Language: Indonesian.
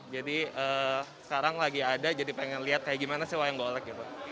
jadi sekarang lagi ada jadi pengen lihat kayak gimana sih wayang golek gitu